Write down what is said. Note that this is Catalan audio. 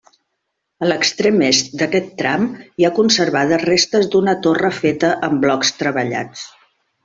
A l'extrem est d'aquest tram hi ha conservades restes d'una torre feta amb blocs treballats.